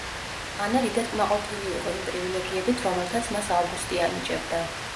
ანა დიდად კმაყოფილი იყო იმ პრივილეგიებით, რომელთაც მას ავგუსტი ანიჭებდა.